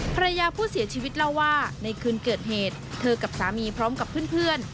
ภรรยาผู้เสียชีวิตเล่าว่าในคืนเกิดเหตุเธอกับสามีพร้อมกับเพื่อน